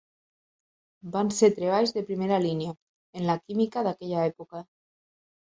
Van ser treballs de primera línia en la Química d'aquella època.